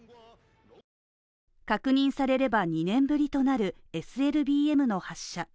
確認されれば２年ぶりとなるＳＬＢＭの発射。